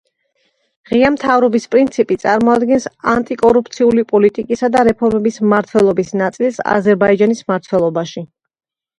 ღია მთავრობის პრინციპი წარმოადგენს ანტიკორუფციული პოლიტიკისა და რეფორმების მმართველობის ნაწილს აზერბაიჯანის მთავრობაში.